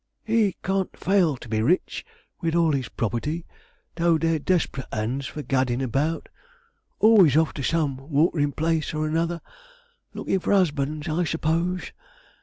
'He can't fail to be rich, with all his property; though they're desperate hands for gaddin' about; always off to some waterin' place or another, lookin' for husbands, I suppose.